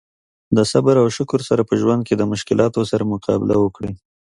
د صبر او شکر سره په ژوند کې د مشکلاتو سره مقابله وکړي.